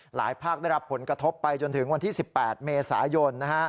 ภาคได้รับผลกระทบไปจนถึงวันที่๑๘เมษายน